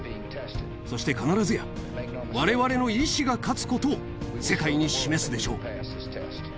そして必ずや、われわれの意志が勝つことを世界に示すでしょう。